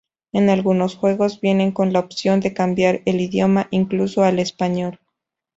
En algunos juegos, vienen con la opción de cambiar el idioma, incluso al español.